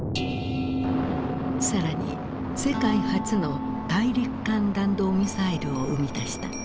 更に世界初の大陸間弾道ミサイルを生み出した。